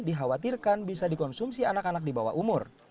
dikhawatirkan bisa dikonsumsi anak anak di bawah umur